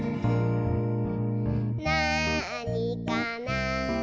「なあにかな？」